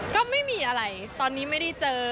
ก็ไม่มีอะไรตอนนี้ไม่ได้เจอ